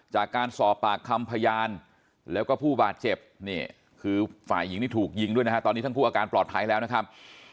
จากการสอบปากคำพยานแล้วก็ผู้บาดเจ็บ